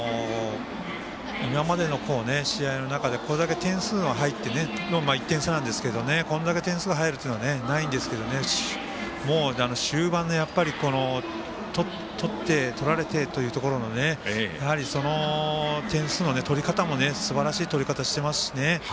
今までの試合の中でこれだけ点数の入って１点差なんですけどこれだけ点数入るというのはないんですけどもう終盤の取って取られてというところの点数の取り方もすばらしい取り方してますしね。